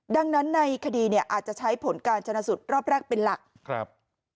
ดังนั้นในคดีเนี่ยอาจจะใช้ผลการชนะสูตรรอบแรกเป็นหลักครับ